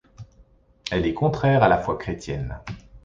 Elle est contraire à la foi chrétienne.